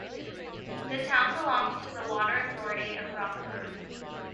The town belongs to the water authority of Rottenburg.